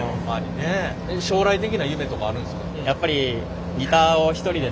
将来的な夢とかあるんですか？